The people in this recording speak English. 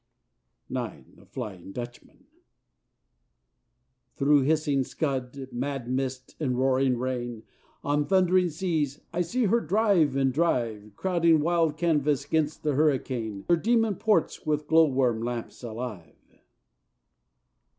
IX The Flying Dutchman Through hissing scud, mad mist, and roaring rain, On thundering seas, I see her drive and drive, Crowding wild canvas 'gainst the hurricane, Her demon ports with glow worm lamps alive.